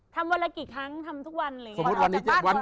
ทำวันละกี่ครั้งทำทุกวัน